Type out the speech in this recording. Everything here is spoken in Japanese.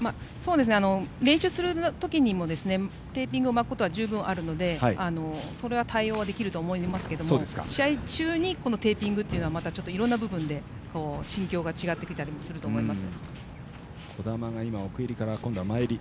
練習するときにもテーピングを巻くことは十分、あるのでそれは対応できると思いますが試合中にテーピングというのはいろいろな意味で心境が違ってきたりもすると思います。